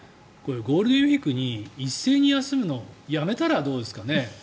ゴールデンウィークに一斉に休むのやめたらどうですかね。